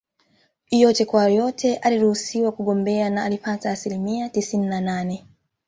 Yote kwa yote aliruhusiwa kugombea na alipata asilimia tisini na nane